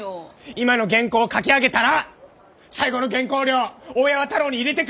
今の原稿書き上げたら最後の原稿料大八幡楼に入れてくる！